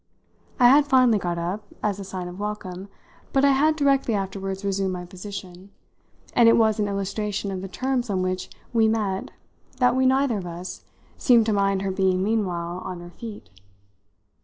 I had finally got up, as a sign of welcome, but I had directly afterwards resumed my position, and it was an illustration of the terms on which we met that we neither of us seemed to mind her being meanwhile on her feet.